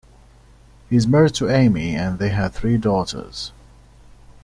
He is married to Amy and they have three daughters.